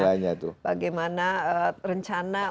nah ini bagaimana rencana